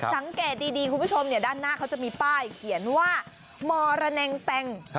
สังเกตดีคุณผู้ชมด้านหน้าเขาจะมีป้ายเขียนว่ามรแนงแตง